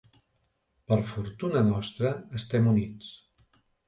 Per fortuna nostra, estem units.